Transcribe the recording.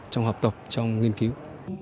trong học tập trong nghiên cứu